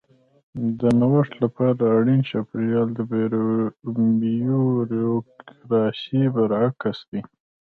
د نوښت لپاره اړین چاپېریال د بیوروکراسي برعکس دی.